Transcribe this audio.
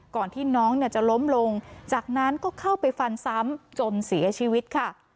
ก่อนที่น้องจะล้มลงจากนั้นก็เข้าไปฟันซ้ำจนเสียชีวิตค่ะ